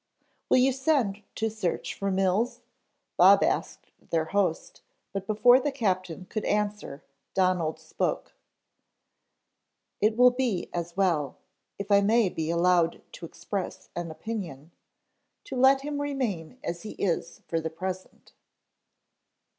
"Will you send to search for Mills?" Bob asked their host, but before the captain could answer, Donald spoke. "It will be as well, if I may be allowed to express an opinion, to let him remain as he is for the present."